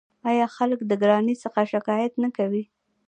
آیا خلک د ګرانۍ څخه شکایت نه کوي؟